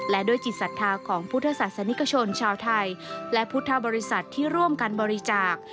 และด้วยจิตศรัทธาของพุทธศาสนิกชนชาวไทยและพุทธบริษัทที่ร่วมกันบริจาค